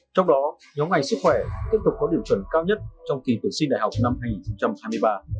trong đó nhóm ngành sức khỏe tiếp tục có điểm chuẩn cao nhất trong kỳ tuyển sinh đại học năm hai nghìn hai mươi ba